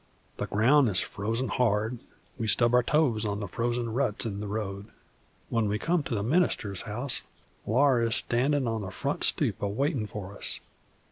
The ground is frozen hard; we stub our toes on the frozen ruts in the road. When we come to the minister's house, Laura is standin' on the front stoop, a waitin' for us.